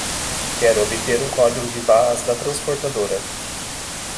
Quero obter um código de barras da transportadora